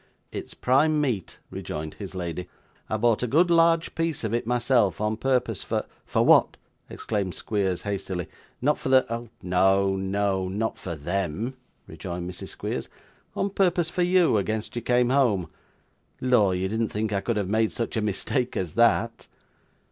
'It's prime meat,' rejoined his lady. 'I bought a good large piece of it myself on purpose for ' 'For what!' exclaimed Squeers hastily. 'Not for the ' 'No, no; not for them,' rejoined Mrs. Squeers; 'on purpose for you against you came home. Lor! you didn't think I could have made such a mistake as that.